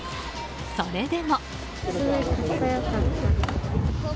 それでも。